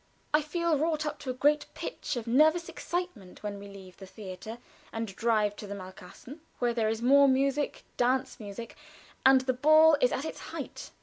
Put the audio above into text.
I feel wrought up to a great pitch of nervous excitement when we leave the theater and drive to the Malkasten, where there is more music dance music, and where the ball is at its height.